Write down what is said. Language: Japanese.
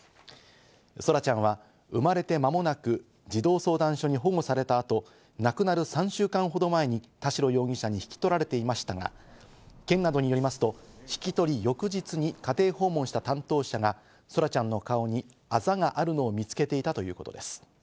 空来ちゃんは生まれて間もなく児童相談所に保護されたあと、亡くなる３週間ほど前に田代容疑者に引き取られていましたが、県などによりますと、引き取り翌日に家庭訪問をした担当者が空来ちゃんの顔にあざがあるのを見つけていたということです。